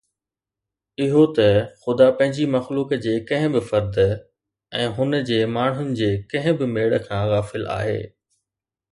اهو ته خدا پنهنجي مخلوق جي ڪنهن به فرد ۽ هن جي ماڻهن جي ڪنهن به ميڙ کان غافل آهي